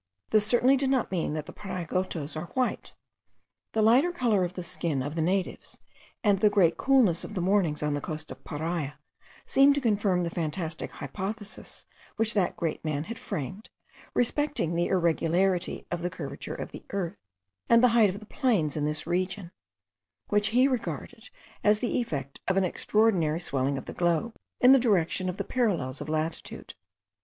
This certainly did not mean that the Pariagotos are white. The lighter colour of the skin of the natives and the great coolness of the mornings on the coast of Paria, seemed to confirm the fantastic hypothesis which that great man had framed, respecting the irregularity of the curvature of the earth, and the height of the plains in this region, which he regarded as the effect of an extraordinary swelling of the globe in the direction of the parallels of latitude.